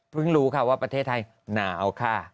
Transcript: รู้ค่ะว่าประเทศไทยหนาวค่ะ